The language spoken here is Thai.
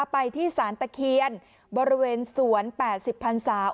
ไปที่สารตะเคียนบริเวณสวนแปดสิบพันธุ์สาว